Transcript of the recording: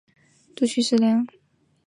其他色素体参与储存食料。